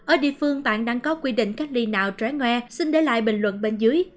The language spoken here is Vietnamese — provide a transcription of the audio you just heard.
ở địa phương bạn đang có quy định cách ly nào trái ngoa xin để lại bình luận bên dưới